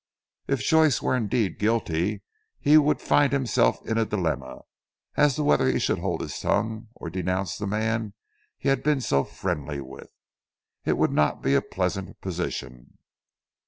If Joyce were indeed guilty he would find himself in a dilemma, as to whether he should hold his tongue or denounce the man he had been so friendly with. It would not be a pleasant position.